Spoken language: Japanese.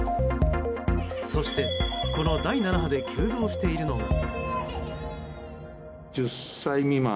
そして、この第７波で急増しているのが。